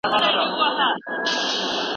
که څېړونکی نه وې نو لارښوونه مه کوه.